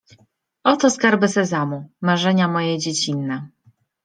„Oto skarby Sezamu, marzenia moje dziecinne”.